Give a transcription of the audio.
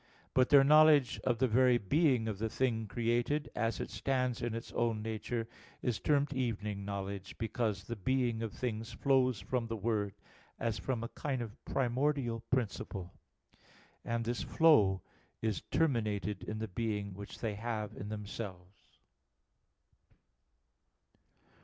But their knowledge of the very being of the thing created, as it stands in its own nature, is termed evening knowledge; because the being of things flows from the Word, as from a kind of primordial principle; and this flow is terminated in the being which they have in themselves.